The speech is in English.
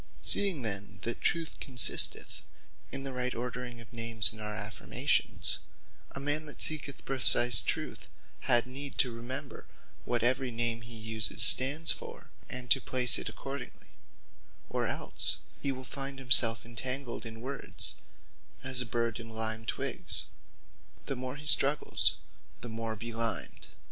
Seeing then that Truth consisteth in the right ordering of names in our affirmations, a man that seeketh precise Truth, had need to remember what every name he uses stands for; and to place it accordingly; or els he will find himselfe entangled in words, as a bird in lime twiggs; the more he struggles, the more belimed.